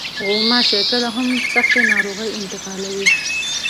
غوماشې کله هم سختې ناروغۍ انتقالوي.